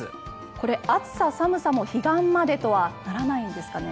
これ暑さ寒さも彼岸までとはならないんですかね。